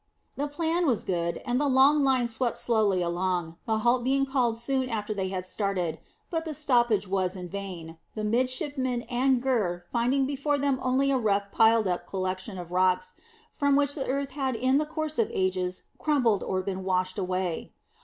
The plan was good, and the long line swept slowly along, the halt being called soon after they had started, but the stoppage was in vain, the midshipman and Gurr finding before them only a rough piled up collection of stones from which the earth had in the course of ages crumbled or been washed away.